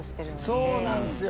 そうなんすよ！